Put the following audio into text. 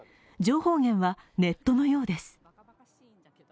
情報源は、ネットのようです。